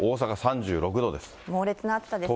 猛烈な暑さですね。